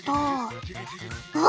うわ！